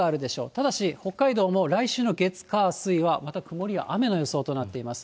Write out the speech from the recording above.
ただし、北海道も来週の月、火、水は、また曇りや雨の予想となっています。